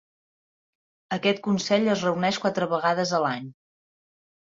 Aquest consell es reuneix quatre vegades a l'any.